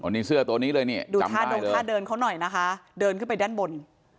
นี่เสื้อตัวนี้เลยนี่ดูท่าดงท่าเดินเขาหน่อยนะคะเดินขึ้นไปด้านบน